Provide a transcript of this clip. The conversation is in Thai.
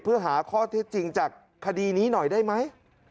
เพื่อหาข้อเท็จจริงจากคดีนี้หน่อยได้ไหม